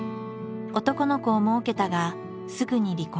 男の子をもうけたがすぐに離婚。